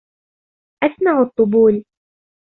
أسمع الطبول.